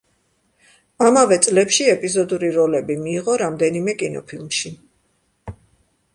ამავე წლებში ეპიზოდური როლები მიიღო რამდენიმე კინოფილმში.